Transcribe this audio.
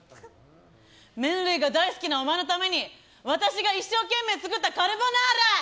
麺類が大好きなお前のために私が一生懸命作ったカルボナーラ！